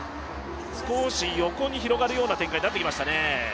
少し横に広がるような展開になってきましたね。